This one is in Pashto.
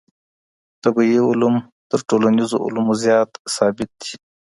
طبیعي علوم تر ټولنیزو علومو زیات ثابت دي.